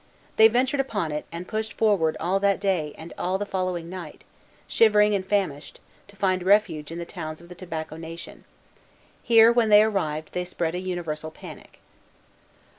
They ventured upon it, and pushed forward all that day and all the following night, shivering and famished, to find refuge in the towns of the Tobacco Nation. Here, when they arrived, they spread a universal panic.